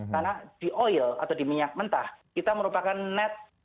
karena di oil atau di minyak mentah kita merupakan net